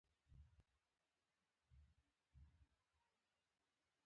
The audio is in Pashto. د خبرو تاثیر تل ژور وي